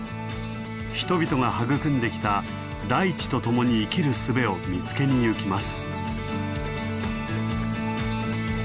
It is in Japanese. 人々が育んできた「大地とともに生きる術」を見つけにゆきます。